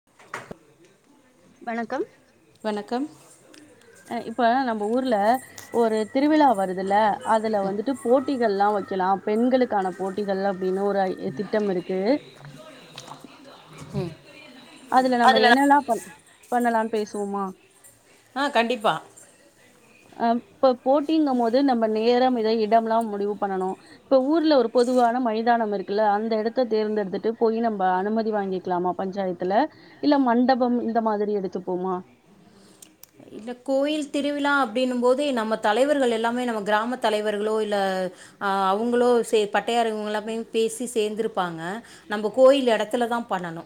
[inaudible] வணக்கம். வணக்கம். அ இப்ப நம்ம ஊர்ல ஒரு திருவிழா வருதுல்ல, அதுல வந்துட்டு போட்டிகள் எல்லா வெக்கலா பெண்களுக்கான போட்டிகள் அப்டின்னு ஒரு ஐ திட்டம் இருக்கு. அதுல நம்ம என்னெல்லாம பண்ண பண்ணலாம்னு பேசுவோமா? ஆ கண்டிப்பா அ இப்ப போட்டிங்கும் போது நம்ம நேரம் இதை இடமெல்லாம் முடிவு பண்ணணும். இப்ப ஊர்ல ஒரு பொதுவான மைதானம் இருக்குல்ல, அந்த எடத்த தேர்ந்தெடுத்துட்டு போய் நம்ம அனுமதி வாங்கி இருக்கலாமா பஞ்சாயத்துல, இல்ல மண்டபம் இந்த மாதிரி எடுத்துப்போமா? இந்த கோயில் திருவிழா அப்படின்னும் போது நம்ம தலைவர்கள் எல்லாமே நம்ம கிராம தலைவர்களோ இல்ல அ அவுங்களோ சே பட்டையாரவுங்கல்லாம் மே பேசி சேர்ந்திருப்பாங்க. நம்ம கோயில் எடத்துலதான் பண்ணனு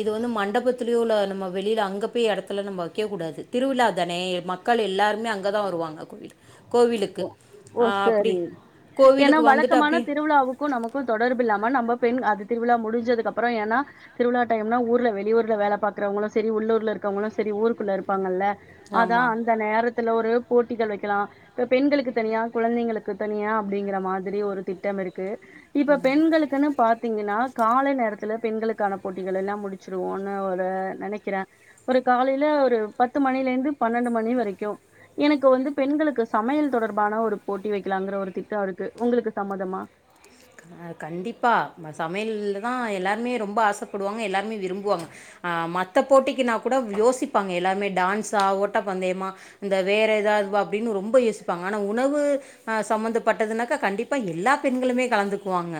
இது வந்து மண்டபத்திலயோ இல்ல நம்ம வெளியில அங்க போய் எடத்துல நம்ம வக்க கூடாது. திருவிழா இத்தனே மக்கள் எல்லாருமே அங்கதா வருவாங்க. கோவில்க்கு கோவிலுக்கு ஓ! அப்டி, சரி. கோவிலுக்கு வந்துட்டு அப்டியே க்கு நமக்கு தொடர்பு இல்லாம நம்ம பெண் அது திருவிழா முடிஞ்சதுக்கு அப்றோ ஏன்னா? திருவிழா டைம்னா ஊர்ல வெளியூர்ல வேல பாக்குறவங்களு சரி, உள்ளூர்ல இருக்கவங்களும சரி, ஊருக்குள்ள இருப்பாங்கள்ல. அதான். ஆமாம் அந்த நேரத்துல ஒரு போட்டிகள் வக்கலா இப்ப பெண்களுக்கு தனியா குழந்தைங்களுக்கு தனியா அப்டிங்கிற மாதிரி ஒரு திட்டம் இருக்கு. இப்ப பெண்களுக்குன்னு பாத் த்தீங்கன்னா காலை நேரத்துல பெண்களுக்கான போட்டிகள் எல்லாம் முடிச்சிருவோன்னு ஒரு நெனக்கிறே ஒரு காலைல ஒரு பத்து மணில இருந்து பன்னெண்டு மணி வரைக்கு எனக்கு வந்து பெண்களுக்கு சமையல் தொடர்பான ஒரு போட்டி வைக்கலாங்கிற ஒரு திட்டம் இருக்கு. உங்களுக்கு சம்மதமா? அ கண்டிப்பா, சமையல் தான் எல்லாருமே ரொம்ப ஆசப்படுவாங்க. எல்லாருமே விரும்புவாங்க. ஆ மத்த போட்டிக்குனா கூட யோசிப்பாங்க எல்லாருமே. டான்ஸா ஓட்ட பந்தயமா? இந்த வேற எதாவ்துவா அப்டின்னு ரொம்ப யோசிப்பாங்க. ஆனா உணவு அ சம்பந்தப்பட்டதுனாக்க கண்டிப்பா எல்லா பெண்களுமே கலந்துக்குவாங்க.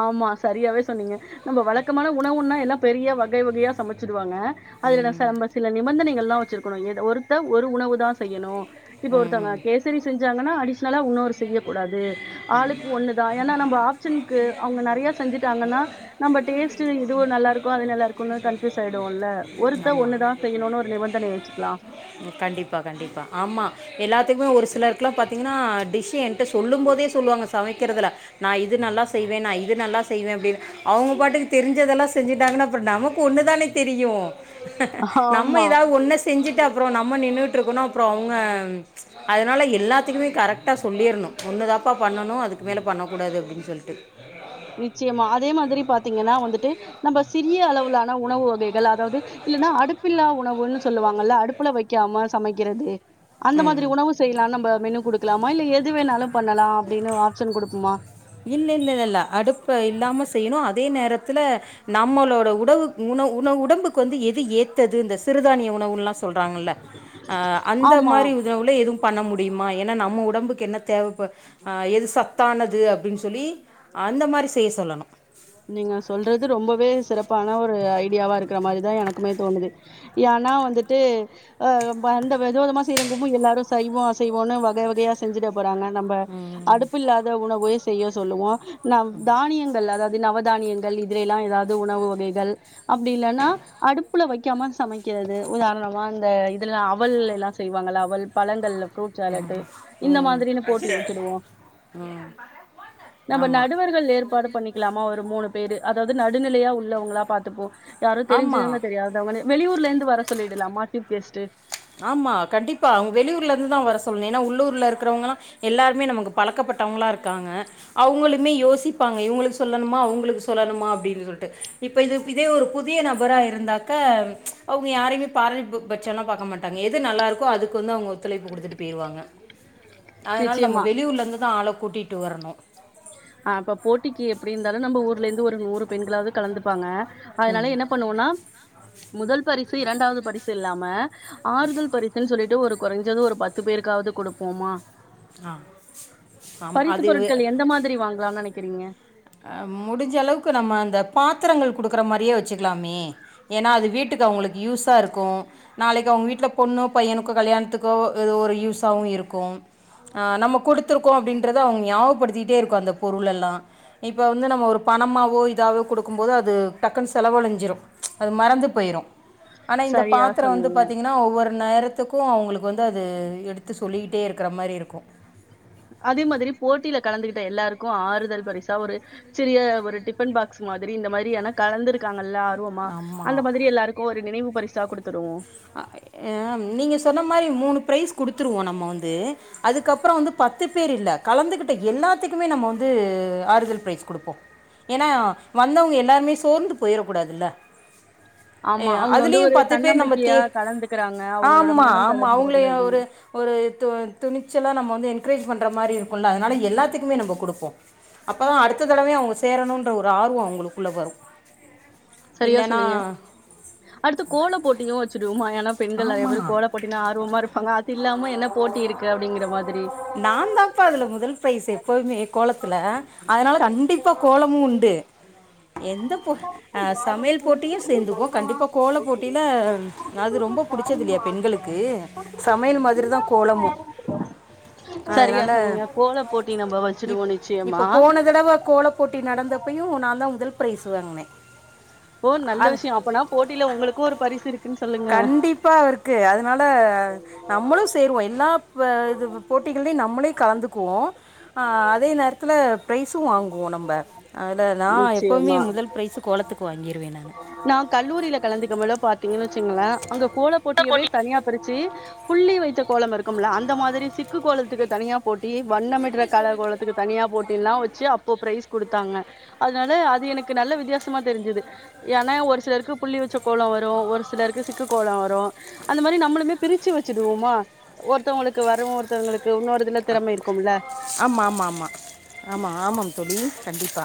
ஆமா. சரியாவே சொன்னீங்க. நம்ம வழக்கமான உணவுன்னா எல்லா பெரிய வகை வகையா சமச்சுடுவாங்க. அதுல ம் நம்ப சில நிபந்தனைகள் எல்லா வச்சிருக்கணு ஒருக்க ஒரு உணவு தான் செய்யணு இப்ப ஒருத்தவுங்க ம் கேசரி செஞ்சாங்கன்னா அடிஷ்னலா உன்னொரு செய்ய கூடாது. ஆளுக்கு ஒண்ணுதான். ஏன்னா நம்ம ஆப்ஷனுக்கு அவுங்க நெறைய செஞ்சுட்டாங்கன்னா நம்ம டேஸ்ட் இதுவும் நல்லா இருக்கும். அது நல்லா இருக்கும்ன்னு கன்ஃப்யூஸ் ஆயடுவோம்ல்ல. ஒருத்த ஒண்ணுதான் செய்யணுன்னு ஒரு நிபந்தனை வச்சுக்கலாம் கண்டிப்பா கண்டிப்பா ஆமா. எல்லாத்துக்குமே ஒரு சிலருக்குலா பாத்தீங்கன்னா டிஷ்ஷு என்ட்ட சொல்லும் போதே சொல்லுவாங்க சமைக்கறதுல நா இது நல்லா செய்வே நா இது நல்லா செய்வே அப்டினு அவுங்க பாட்டுக்கு தெரிஞ்சதெல்லா செஞ்சிட்டாங்கன்னா அப்பற நமக்கு ஒண்ணுதானே தெரியு நம்ம ஆமா. ஏதாவ் ஒன்ன செஞ்சுட்டு அப்றோ நம்ம நின்னுட்ருக்கணு அப்றோ அவ்ங்க அதனால எல்லாத்துக்குமே கரெக்டா சொல்லிர்ணு ஒண்ணு தா ப்பா பண்ணணு அதுக்கு மேலே பண்ணக்கூடாது அப்டின் சொல்ட்டு நிச்சியமா அதே மாதிரி பாத்தீங்கனா வந்துட்டு நம்ப சிறிய அளவுலான உணவு வகைகள் அதாவது இல்லன்னா அடுப்பில்லா உணவுனு சொல்லுவாங்கல்ல அடுப் புல வைக்காம சமைக்கிறது அந்த மாதிரி ம் உணவு செய்லா நம்ப மெனு குடுக்கலாமா இல்ல எது வேணாலு பண்ணலா அப்டின்னு ஆப்ஷன் குடுப்புமா இல்ல இல்லலல்ல அடுப்ப இல்லாம செய்யணு அதே நேரத்துல நம்மளோட உடவு உண உண உடம்புக்கு வந்து எது ஏத்தது இந்த சிறுதானிய உ ணவுன்லா சொல்றாங்கல்ல அ அந்த ஆமா. மாரி ணவுல எதும் பண்ண முடியுமா ஏனா நம்ம உடம்புக்கு என்ன தேவப ஆ எது சத்தானது அப் டின் சொல்லி அந்த மாரி செய்ய சொல்லணு நீங்க சொல்றது ரொம்பவே சிறப்பான ஒரு ஐடியாவா இருக்ற மாரிதா எனக்குமே தோணுது ஏனா வந்துட்டு அ அம்ப அந்த வெத வெதமா செய்றங்கும்போ எல்லாரு சைவோ அசைவோனு வக வகயா செஞ்சிட போறாங்க நம்ப ம் அடுப்பு இல்லாத உணவை செய்ய சொல்லுவோ நம் தானியங்கள் அதா நவதானியங்கள் இதுல எல்லா ஏதாவ்து உணவு வகைகள் அப்டி இல்லன்னா அடுப்புல வைக்காம சமக்கிறது உதாரணமா இந்த இதுல அவல்ல எல்லா செய்வாங்கல அவல் பழங்கள்ல ஃப்ரூட் சேலட்டு் இந்த ம் மாதிரினு போட்டி வெச்சிடுவோ ம் நம்ப ஆமா நடுவர்கள் ஏற்பாடு பண்ணிக்கலாமா ஒரு மூணு பேரு அதாவது நடுநிலையா உள்ளவங்களா பாத்துப்போ யாரும் ஆமா தெரிஞ்சவங்க தெரியாதவங்கனு வெளியூர்ல இருந்து வர சொல்லிடலாமா டீப் கெஸ்டு ஆமா கண்டிப்பா அவங்க வெளியூர்ல இருந்து தா வர சொல்ணு ஏனா உள்ளூர்ல இருக்றவங்கனா எல்லாருமே நமக்கு பழக்கப்பட்டவங்களா இருக்காங்க அவுங்களுமே யோசிப்பாங்க இவுங்களுக்கு சொல்லணுமா அவங்களுக்கு சொல்லணுமா அப்டின் சொல்ட்டு இப்போ இது இதே ஒரு புதிய நபரா இருந்தாக்கா அவங்க யாரையுமே பாரைபு பட்சம்லா பாக்க மாட் அங்க எது நல்லாருக்கோ அதுக்கு வந்து அவங்க ஒத்துழைப்பு குடுத்துட்டு பேயிருவாங்க அதனால் நம்ம நிச்சயமா. வெளியூர்ல இருந்து தா ஆள கூட்டிட்டு வரணு அப்ப போட்டிக்கு எப்டி இருந்தாலு நம்ப ஊர்ல இருந்து ஒரு நூறு பெண்களாவது கலந்துப்பாங்க ம் அதனால என்ன பண்ணுவோனா முதல் பரிசு இரண்டாவது பரிசு இல்லாம ஆறுதல் பரிசுன் சொல்லிட்டு ஒரு கொறஞ்சது ஒரு பத்து பேருக்காவ்து குடுப்போமா ஆ ஆம் பரிசு அது பொருட்கள் எந்த மாதிரி வாங்கலாம் நெனைக்கிறீங்க அ முடிஞ்ச அளவுக்கு நம்ம அந்த பாத்தரங்கள் குடுக்குற மாரியே வச்சுக்கலாமே ஏனா அது வீட்டுக்கு அவங்களுக்கு யூஸா இருக்கூ நாளைக்கு அவங்க வீட்ல பொண்ணோ பையனுக்கோ கல்யாணத்துக்கோ அது ஒரு யூஸாவு இருக்கும் ஆ நம்ம குடுத்துருக்கோ அப்டின்றது அவ்ங்க ஞாாவகப்படுத்திட்டே இருக்கு அந்த பொருள் எல்லா இப்போ வந்து நம்ம ஒருப் பணமாவோ இதாவோ குடுக்கும்போது அது டக்குன் செலவழிஞ்சிரு அது மறந்துப் போயிரு ஆனா இந்தப் சரியா பாத்தரோ வந்து சொன்னீங்க. பாத்திங்கனா ஒவ்வொரு நேரத் த்துக்கு அவுங்குளுக்கு வந்து அது எடுத்து சொல்லிகிட்டே இருக்கற மாரி இருக்கு அதே மாதிரி போட்டில கலந்துகிட்ட எல்லாருக்கு ஆறுதல் பரிசா ஒரு சிறிய ஒரு டிஃபன் பாக்ஸ் மாதிரி இந்த மாரியான கலந்துருக்காங்கல்ல ஆர் ருவோமா அந்த ஆமாம் மாதிரி எல்லாருக்கு ஒரு நினைவு பரிசா குடுத்துடுவோ ஏம் நீங்க சொன்ன மாரி மூனு ப்ரைஸ் குடுத்துருவோ நம்ம வந்து அதுக்கப்றோ வந்து பத்து பேர் இல்ல கலந்துகிட்ட எல்லாத்துக்குமே நம்ம வந்து ஆறுதல் ப்ரைஸ் குடுப்போ எனா வந்தவுங்க எல்லாருமே சோர்ந்து போயிரக்கூடாதுல்ல அ ஆமா. அவங்க வந்து அதுலியும் ஒரு பத்து பேர் நம்மத் தே தன்னம்பிக்கையா கலந்துக்கிறாங்க. அவங்களோட ஆமா மனம் ஆமா அவுங்ளே எ தளர்ந்துறக்கூடாது. ஒரு ஒரு து துணிச்சலா நம்ம வந்து என்கரேஜ் பண்ற மாரி இருக்குல்ல அதனால எல்லாத்துக்குமே நம்போ குடுப்போ அப்பதா அடுத்த தடவையு அவுங்க சேரணுன்ற ஒரு ஆர்வோ அவுங்குளுக்குள்ள வரு சரியா சொன்னீங்க அடுத்து கோலப் போட்டியு வச்சுடுவோமா எனாப் பெண்கள் நெறையப் பேரு ஆமாம் கோலப் போட்டினா ஆர்வமா இருப்பாங்க அது இல்லாம என்னப் போட்டி இருக்கு அப்டிங்கிற மாதிரி நாந்தாப்பா அதுல முதல் பிரைஸ் எப்பவுமே கோலத்துல அதனால ரண்டிப்பா கோலமு உண்டு எந்தப்போ அ ச் சமையல் போட்டியு சேந்துகுவோ கண்டிப்பா கோலப் போட்டில அது ரொம்ப பிடிச்சது இல்லியா பெண்களுக்கு சமையல் மாதிரிதா கோலமு சரியா அதனால சொன்னீங்க. கோல போட்டி நம்ம இப் வச்சுடுவோம் நிச்சயமா. இப்ப போன தடவ கோலப் போட்டி நடந்தப்பையு நாந்தா முதல் பிரரைஸ் வாங்னே ஓ நல்ல விஷ்யோ அப்பனா போட்டில உங்களுக்கு ஒரு பரிசு இருக் கண்டிப்பா இருக்கு அதனால நம்மளு சேருவோ எல் ல்லாப்ப இது போட்டிகள்லியு நம்மளே கலந்துக்குவோ அ அதே நேரத்துல ப்ரைஸு வாங்குவோ நம்ப அல நா எப்பவுமே நிச்சயமா. முதல் ப்ரைஸு கோலத்துக்கு வாங்கிருவே நானு நாங் கல்லூரியில கலந்துக்க மேல பாத்தீங்கனு வச்சுங்களே அங்க கோல போட்டியவே தனியாப் பிரிச்சி புள்ளி வைத்த கோலம் இருக்கும்ல அந்த மாதிரி சிக்கு கோலத்துக்கு தனியாப் போட்டி வண்ணமிட்ற கலர் கோலத்துக்கு தனியாப் போட்டின்லா வச்சி அப் அப்போ ப்ரைஸ் குடுத்தாங்க அதனால அது எனக்கு நல்ல வித்தியாசமா தெரிஞ்சது எனா ஒரு சிலருக்கு புள்ளி வெச்ச கோலோ வரு ஒரு சிலருக்கு சிக்கு கோலோ வரு அந்த மாரி நம்மளுமே பிரிச்சி வச்சிடுவோமா ஒருத்தவுங்களுக்கு வரு ஒருத்தவுங்களுக்கு இன்னொருத் தில திறமை இருக்குமுல்ல ஆமா ஆமா ஆமா ஆமா ஆமாம் தோழி கண்டிப்பா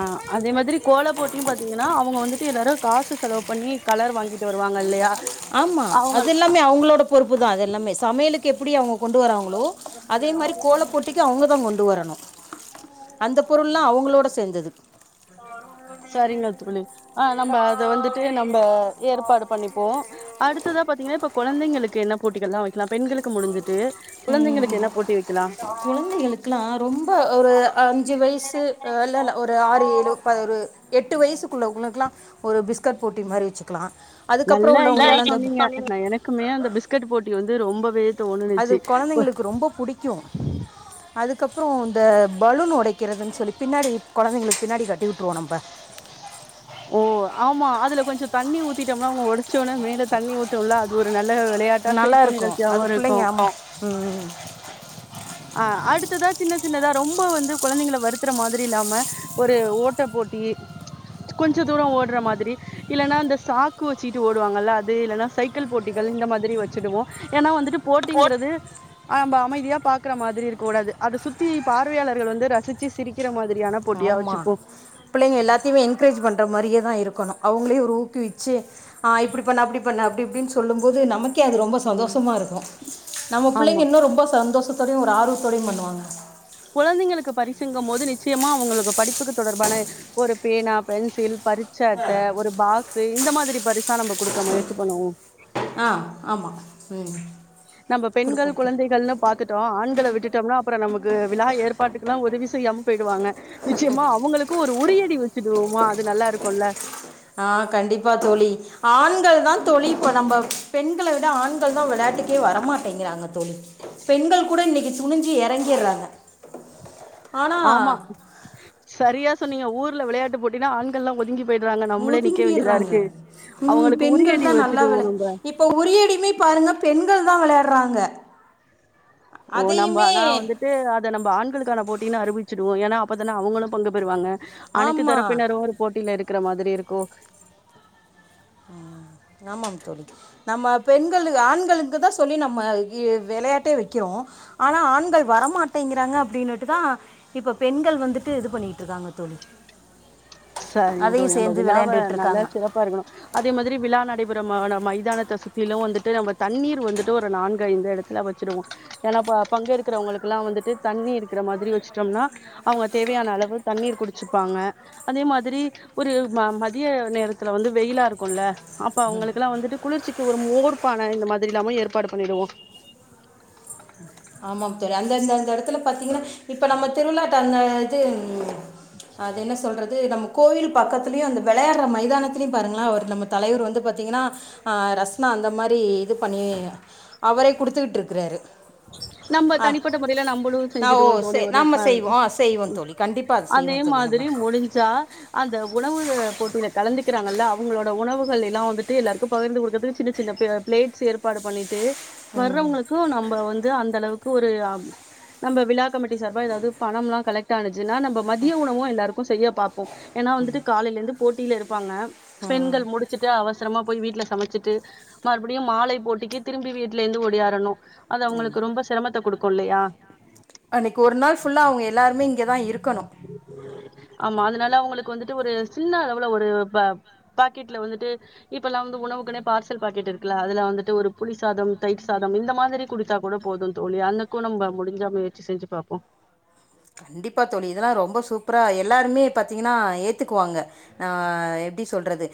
ஆ அதே மாதிரி கோலப் போட்டியும் பாத்தீங்கனா அவுங்க வந்துட்டு எல்லாரு காசு செலவுப் பண்ணி கலர் வாங்கிட்டு வருவாங்க இல்லையா ஆமா அவங்க அது எல்லாமே அவுங்களோடப் பொறுப்புதா அது எல்லாமே சமையலுக் க்கு எப்டி அவுங்க கொண்டு வராங்ளோ அதே மாரி கோலப் போட்டிக்கு அவுங்கதா கொண்டு வரணு அந்தப் பொருள்லா அவுங்ளோட செஞ்சது சரிங்கத் தோழி அ நம்ப அத வந்துட்டு நம்ப ஏற்பாடு பண்ணிப்போ அடுத்ததாப் பாத்தீங்கனா இப்ப கொழந்தைங்களுக்கு என்னப் போட்டிகள்லா வெக்கலா பெண்களுக்கு முடிஞ்சிட்டு குழந்தைங்களுக்கு என்ன போட்டி வெக்கலா குழந்தைகளுக்லா ரொம்ப ஒரு அஞ்சி வயசு அ இல்ல இல்ல ஒரு ஆறு ஏழு ப ஒரு எட்டு வயசுக்குள்ளவங்ளுக்லா எல்லாம் ஒரு பிஸ்கர் போட்டி மாரி வச்சுக்லா அதுக்கப்றோ உள்ளவங்ளுக்லா இந்தப க்குமே அந்த பிஸ்கெட் போட்டி வந்து ரொம்பவே அது தோணுனுச்சு கொழந்தைங்களுக்கு ரொம்ப புடிக்கு அதுக்கப்புறோ இந்த பலூன் ஒடைக்கிறதுன்னு சொல்லி பின்னாடி கொழந்தைங்களுக்கு பின்னாடி கட்டி உட்டுருவோ நம்ப ஓ ஆமா அதுல கொஞ்ச தண்ணி ஊத்திட்டம்னா அவுங்க ஒடைச்சோனே மே தண்ணி ஊத்துவல்ல அது ஒரு நல்ல விளையாட்டா நல்லா சிரிப்பு இருக்கும் நிகழ்ச்சியாவு அது இருக்கு பிள்ளைங்க ஆமாம் ம் அ அடுத்ததா சின்ன சின்னதா ரொம்ப வந்து கொழந்தைங்கள வருத்துற மாதிரி இல்லாம ஒரு ஓட்ட போட்டி கொஞ்ச தூரோ ஓட்ற மாதிரி இல்லன்னா இந்த சாக்கு வச்சுட்டு ஓடுவாங்கல்ல அது இல்லன்னா சைக்கிள் போட்டிகள் இந்த மாதிரி வச்சிடுவோ ஏன்னா வந்துட்டு போட்டிங்கிறது அமைதியா பா க்ற மாதிரி இருக்கூடாது அது சுத்தி பார்வையாளர்கள் வந்து ரசிச்சு சிரிக்கிற மாதிரி ஆமா பிள்ளைங்க எல்லாத்தையுமே என்கரேஜ் பண்ற மாரியே தா இருக்குணு அவுங்களையு ஒரு ஊக்குவிச்சு ஆ இப்டி பண்ணு அப்டி பண்ணு அப்டி இப்டின்னு சொல்லும் போது நமக்கே அது ரொம்ப சந்தோஷமா இருக்கு நம்ம ஆமா பிள்ளைங்க இன்னு ரொம்ப சந்தோஷத்தோடையு ஒரு ஆர்வத்தோடையு பண்ணுவாங்க குழந்தைங்களுக்கு பரிசிங்கம் போது நிச்சயமா அவுங்களுக்கு படிப்புக்கு தொடர்பான ஒரு பேனா பென்சில் பரீ ச்ச அட்ட ஒரு பாக்ஸூ இந்த மாதிரி பரிசா நம்ம குடுக்க முயற்சி பண்ணுவோ ஆ ஆமா ம் நம்ம பெண்கள் கொடுப்போம் தோழி குழந்தைகள்னு பாத் கிட்டோ ஆண்கள விட்டுட்டோம்னா அப்புறோ நமக்கு விழா ஏற்பாட்டுக்குலா உதவி செய்யாமா போயிடுவாங்க நிச்சயமா அவுங்களுக்கு ஒரு உரியடி வச்சுடுவோமா அது நல்லா இருக்குல்ல ஆ கண்டிப்பா தோழி ஆண்கள் தா தோழி இப்ப நம்ம பெண்கள விட ஆண்கள் தா விளையாட்டுக்கே வரமாட்டேங்கிறாங்க தோழி பெண்கள் கூட இன்னைக்கு துணிஞ்சி எறங்கிறாங்க ஆமா செரியா சொன்னீங்க ஊர்ல விளையாட்டு போட்டினா ஆண்கள்லா ஒதுங்கி போயிட்றாங்க நம்மளே நிக்க வேண்டியதா ஒதுங்கிடுறாங்க இருக்கு அவுங்களுக்கு உரிய அடி வச்சுட்டுவோ நம்ப இப்ப உறியடியுமே பாருங்க பெண்கள் தா வெளையாட்றாங்க ஓ நம்ம ஆனா வந்துட்டு அத நம்ம ஆண்களுக்கான போட்டின்னு அறிவிச்சிடுவோ ஏன்னா அப்பதான அவங்களு பங்கு பெறுவாங்க அனைத்து ஆமாம் தரப்பினரு ஒரு போட்டியில இருக்கற மாதிரி இருக்கு ம் ஆமா தோழி நம்ம பெண்கள் ஆண்களுக்கு தா சொல்லி நம்ம வி வெளையாட்டே வக்கிறோ ஆனா ஆண்கள் வரமாட்டேங்கிறாங்க அப்டின்னுட்டுதா இப்ப பெண்கள் வந்துட்டு இது பண்ணிட்டு இருக்காங்க தோழி செரிங்க தோழி அதையும் நம்ப சேர்ந்து விழாவ விளையாண்டுட்டு நல்லா இருக்காங்க சிறப்பா இருக்கணு அதே மாறி விழா நடைபெற மைதானத்த சுத்திலு வந்துட்டு நம்ம தண்ணீர் வந்துட்டு ஒரு நான்கு ஐந்து எடத்துல வ வச்சிருவோ ஏன்னா பங் பங்கேற்கவங்களுக்குலா வந்துட்டு தண்ணி இருக்கற மாதிரி வச்சுட்டம்னா அவுங்க தேவையான அளவு தண்ணீர் குடிச்சுப்பாங்க அதே மாதிரி ஒரு ம மதிய நேரத்துல வந்து வெயிலா இருக்குல்ல அப்ப அவங்களுக்குல்லா வந்துட்டு குளிர்ச்சிக்கு ஒரு மோர்பான இந்த மாதிரி இல்லாமு ஏற்பாடு பண்ணிடுவோ ஆமாம் தோழி அந்தந்தந்த எடத்துல பாத்தீங்கன்னா இப்ப நம்ம திருவிழாட்டு அந்த இது அது என்ன சொல்றது நம் கோயில் பக்கத்துலயே அந்த வெளயாட்ற மைதானத்திலியு பாருங்களா அவர் நம்ம தலைவர் வந்து பாத்தீங்கன்னா அ ரஸ்னா அந்த மாரி இது பண்ணி அவரே குடுத்துக்கிட்டு இருக்குறாரு நம்ம தனிப்பட்ட முறையில நம்மளு செஞ்சுடுவோ சே தோழி ஒரு நம்ம அ செய்வோம் ஆ செய்வோம் ம் தோழி கண்டிப்பாக அது அதே செய்வோம் தோழி நம்ம மாதிரி முடிஞ்சா அந்த உணவு போட்டியில கலந்துக்கிறாங்கல்ல அவங்களோட உணவுகள் எல்லா வந்துட்டு எல்லாருக்கு பகிர்ந்து குடுக்கிறதுக்கு சின்ன சின்ன பிளேட்ஸ் ஏற்பாடு பண்ணிட்டு ம், வர்றவங்களுக்கு நம்ப வந் து அந்த அளவுக்கு ஒரு நம்ம விழா கமிட்டி சார்பா ஏதாவது பணம்ல்லா கலெக்ட் ஆனுச்சுன்னா நம்ப மதிய உணவு எல்லாருக்கு செய்ய பாப்போ ஏன்னா வந்துட்டு காலேல இருந்து போட்டில இருப்பாங்க ம். ஷிபிண்கள் முடி முடிச்சிட்டு அவசரமா போய் வீட்ல சமச்சிட்டு மறுபடியு மாலை போட்டிக்கி திரும்பி வீட்ல இருந்து ஓடியாரனு அது அவுங்களுக்கு ரொம்ப சிரமத்த குடுக்கு இல்லையா அன்னக்கி ஒரு நாள் ஃபுல்லா அவுங்க எல்லாருமே இங்கே தா இருக்கணு ஆமா அதுனால அவங்களுக்கு வந்துட்டு ஒரு சின்ன அளவுல ஒரு பா பாக்கெட்ல வந்துட்டு இப்பல்லா வந்து உணவுக்குனே பார்சல் பாக்கெட் இருக்குல்ல அதுல வந்துட்டு ஒரு புளி சாதம் தயிர் சாதம் இந்த மாதிரி குடுத்தா கூட போது தோழி அந்துக்கு நம்ம முடிஞ்சா முயற்சி செஞ்சி பாப்போ கண்டிப்பா தோழி இதெல்லா ரொம்ப சூப்பரா எல்லாருமே பாத்தீங்கன்னா ஏத்துக்குவாங்க ஆ எப்டி சொல்றது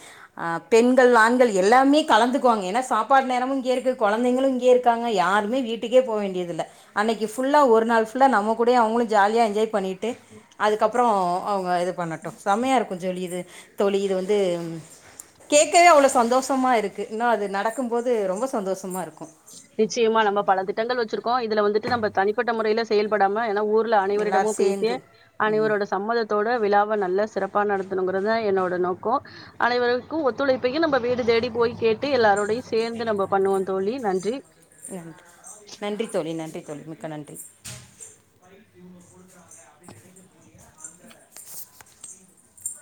ஆ பெண்கள் ஆண்கள் எல்லாமே கலந்துக்குவாங்க ஏன்னா சாப்பாடு நேரமு இங்கயே இருக்கு கொழந்தைங்களு இங்கயே இருக் காங்க யாருமே வீட்டுக்கே போக வேண்டியதில்ல அன்னக்கி ஃபுல்லா ஒரு நாள் ஃபுல்லா நம்ம கூடயே அவுங்களு ஜாலியா என்ஜாய் பண்ணிட்டு அதுக்கப்பறோ அவுங்க இது பண்ணட்டு செமையா இருக்கு தோழி இது தோழி இது வந்து கேக்கவே அவ்வளவு சந்தோஷமா இருக்கு இன்னு அது நடக்கும் போது ரொம்ப சந்தோஷமா இருக்கு நிச்சயமா நம்ப பல திட்டங்கள் வச்சிருக்கோ இதுல வந்துட்டு நம்ப தனிப்பட்ட முறையில செயல்படாம ஏன்னா ஊர் உள்ள அனைவரிடமு எல்லோரும் பேசி சேர்ந்து ம் அனைவரோட சம்மதத் தோட விழாவ நல்லா சிறப்பா நடத்தணுங்கிறதுதா என்னோட நோக்கோ அனைவருக்கு ஒத்துழைப்பையு நம்ப வீடு தேடி போய் கேட்டு எல்லாரோடையு சேந்து நம்ம பண்ணுவோ தோழி நன்றி நன்றி நன்றி தோழி நன்றி தோழி மிக்க நன்றி